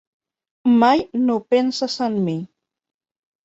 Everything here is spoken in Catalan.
Mai no penses en mi.